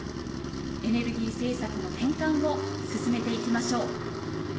エネルギー政策の転換を進めていきましょう。